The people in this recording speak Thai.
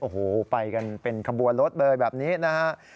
โอ้โหไปกันเป็นขบวนรถเลยแบบนี้นะฮะ